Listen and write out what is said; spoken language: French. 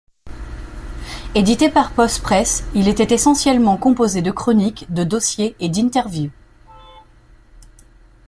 Édité par Posse Press, il était essentiellement composé de chroniques, de dossiers et d'interviews.